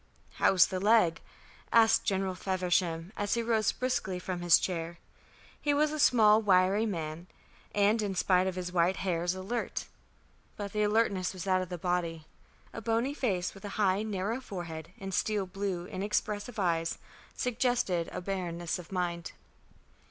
"How's the leg?" asked General Feversham, as he rose briskly from his chair. He was a small wiry man, and, in spite of his white hairs, alert. But the alertness was of the body. A bony face, with a high narrow forehead and steel blue inexpressive eyes, suggested a barrenness of mind.